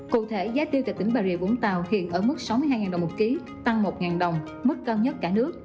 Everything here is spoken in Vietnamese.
cụ thể giá tiêu tại tỉnh bà rịa vũng tàu hiện ở mức sáu mươi hai đồng một ký tăng một đồng mức cao nhất cả nước